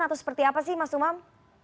atau seperti apa sih mas umam